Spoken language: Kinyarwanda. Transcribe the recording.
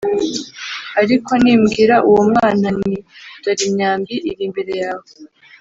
Ariko nimbwira uwo mwana nti ‘Dore imyambi iri imbere yawe’